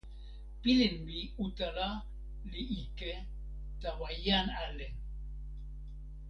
pilin mi la utala li ike tawa jan ale.